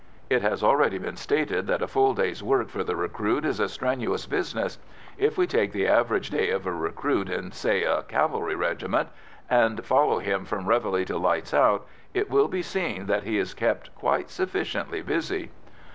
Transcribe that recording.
It has already been stated that a full day's work for the recruit is a strenuous business. If we take the average day of a recruit in, say, a cavalry regiment, and follow him from réveillé to "lights out," it will be seen that he is kept quite sufficiently busy.